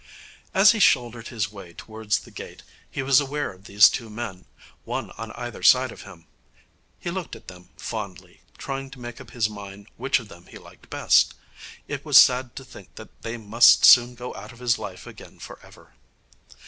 As he shouldered his way towards the gate he was aware of these two men, one on either side of him. He looked at them fondly, trying to make up his mind which of them he liked best. It was sad to think that they must soon go out of his life again for ever.